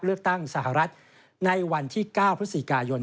เลือกตั้งสหรัฐในวันที่๙พฤศจิกายน